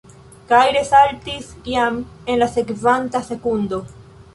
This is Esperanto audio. Kaj resaltis jam en la sekvanta sekundo.